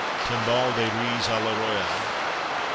_ Timballe de Riz à la Royale.